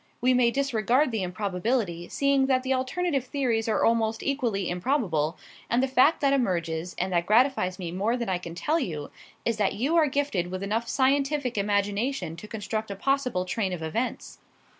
We may disregard the improbability, seeing that the alternative theories are almost equally improbable, and the fact that emerges, and that gratifies me more than I can tell you, is that you are gifted with enough scientific imagination to construct a possible train of events.